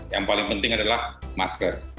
yang paling penting adalah masker